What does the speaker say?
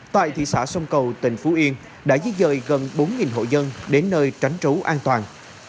tại thị xã sông cầu tỉnh phú yên đã di dời gần bốn hộ dân đến nơi tránh trú an toàn